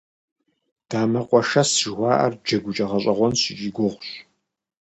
Дамэкъуэшэс жыхуаӏэр джэгукӀэ гъэщӀэгъуэнщ икӀи гугъущ.